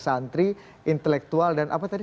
santri intelektual dan apa tadi